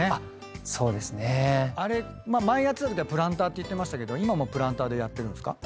前やってたときはプランターって言ってましたけど今もプランターでやってるんですか？